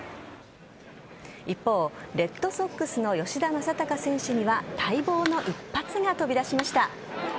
一方、レッドソックスの吉田正尚選手には待望の一発が飛び出しました。